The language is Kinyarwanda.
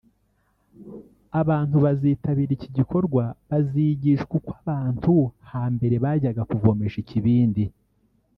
Abantu bazitabira iki gikorwa bazigishwa uko abantu hambere bajyaga kuvomesha ikibindi